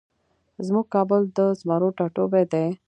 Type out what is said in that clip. زمونږ کابل د زمرو ټاټوبی دی